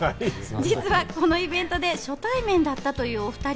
実はこのイベントで初対面だったというお２人。